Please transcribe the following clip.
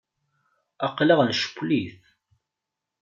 Aql-aɣ ncewwel-it.